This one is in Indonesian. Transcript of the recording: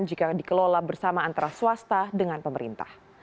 jika dikelola bersama antara swasta dengan pemerintah